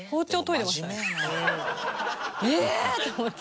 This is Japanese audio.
ええー！と思って。